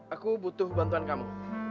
aku butuh bantuan kamu